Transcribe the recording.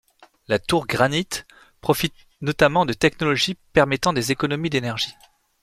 La tour Granite profite notamment de technologies permettant des économies d’énergie.